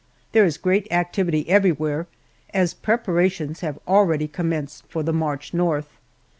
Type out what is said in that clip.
There is great activity everywhere, as preparations have already commenced for the march north.